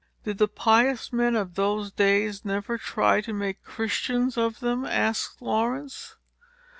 "Did the pious men of those days never try to make Christians of them?" asked Laurence.